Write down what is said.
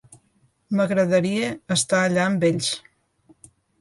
M'agradaria estar allà amb ells.